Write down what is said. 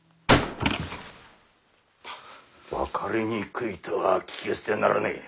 分かりにくいとは聞き捨てならねえ。